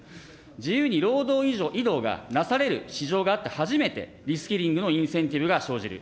自由に労働移動がなされる市場があって初めて、リスキリングのインセンティブが生じる。